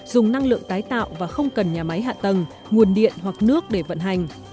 dùng năng lượng tái tạo và không cần nhà máy hạ tầng nguồn điện hoặc nước để vận hành